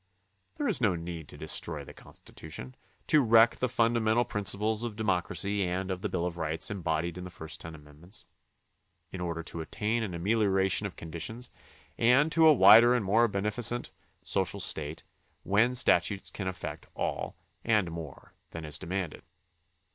There is no need to destroy the Constitution, to wreck the fundamental principles of democracy and of the Bill of Rights embodied in the first ten amendments, in 84 THE CONSTITUTION AND ITS MAKERS order to attain to an amelioration of conditions and to a wider and more beneficent social state when statutes can effect all and more than is demanded.